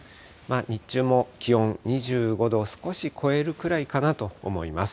日中も気温、２５度を少し超えるくらいかなと思います。